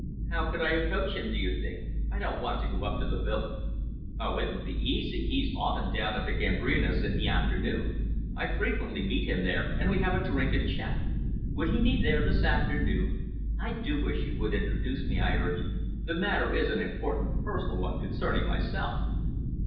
"How could I approach him, do you think? I don't want to go up to the villa." "It would be easy. He's often down at the Gambrinus in the afternoon. I frequently meet him there, and we have a drink and a chat." "Would he be there this afternoon? I do wish you would introduce me," I urged. "The matter is an important personal one concerning myself."